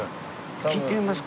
聴いてみますか。